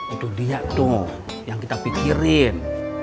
itu dia tuh yang kita pikirin